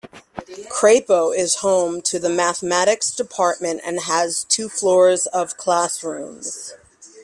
Crapo is home to the Mathematics Department and has two floors of classrooms.